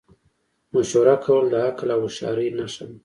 مشوره کول د عقل او هوښیارۍ نښه ده.